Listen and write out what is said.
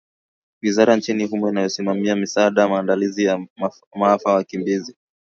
wizara nchini humo inayosimamia misaada maandalizi ya maafa na wakimbizi